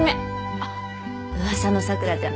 あっ噂の桜ちゃん。